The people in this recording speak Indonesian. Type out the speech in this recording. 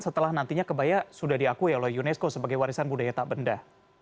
setelah nantinya kebaya sudah diakui oleh unesco sebagai warisan budaya tak benda